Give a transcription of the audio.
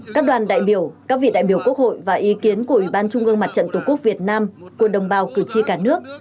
các đoàn đại biểu các vị đại biểu quốc hội và ý kiến của ủy ban trung ương mặt trận tổ quốc việt nam của đồng bào cử tri cả nước